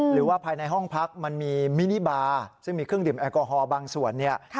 หรือว่าภายในห้องพักมันมีมินิบาซึ่งมีเครื่องดื่มแอลกอฮอล์บางส่วนเนี่ย